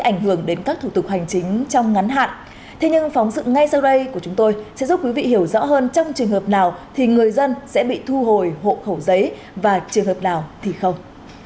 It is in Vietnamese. nhưng phóng sự ngay sau đây của chúng tôi sẽ giúp quý vị hiểu rõ hơn trong trường hợp nào thì người dân sẽ bị thu hồi hộ khẩu giấy và trường hợp nào thì không